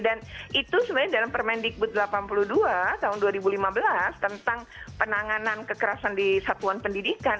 dan itu sebenarnya dalam permendikbud delapan puluh dua tahun dua ribu lima belas tentang penanganan kekerasan di satuan pendidikan